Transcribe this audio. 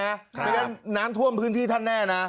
เพราะฉะนั้นน้ำท่วมพื้นที่ท่านแน่นะ